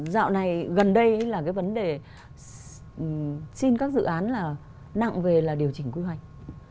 dạo này gần đây là cái vấn đề xin các dự án là nặng về là điều chỉnh quy hoạch